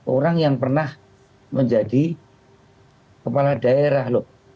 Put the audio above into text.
orang yang pernah menjadi kepala daerah loh